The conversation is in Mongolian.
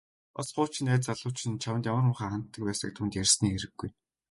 Бас хуучин найз залуу чинь чамд ямар муухай ханддаг байсныг түүнд ярьсны хэрэггүй.